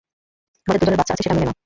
আমাদের দুজনের বাচ্চা আছে সেটা মেনে নাও।